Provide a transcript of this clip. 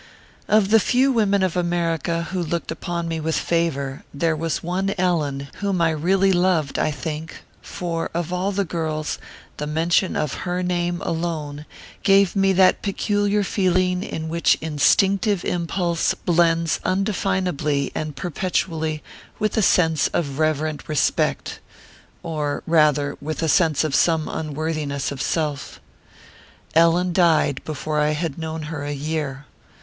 Of the few women of America who looked upon me with favor, there was one Ellen whom I really loved, I think ; for of all the girls, the mention of her name, alone, gave me that peculiar feeling in which instinctive impulse blends undefinably and perpetually with a sense of reverent respect ; or, rather, with a sense of some unworthiness of self. Ellen died before I had known her a year.